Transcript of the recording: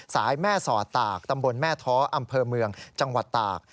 สายแม่สอดตากตำบลแม่ท้ออำเภอเมืองจังหวัดตาก